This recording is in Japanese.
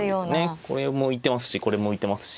これも浮いてますしこれも浮いてますし。